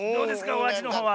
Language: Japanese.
おあじのほうは。